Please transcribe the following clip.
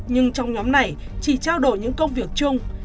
nhưng trong nhóm này chỉ trao đổi những công việc chung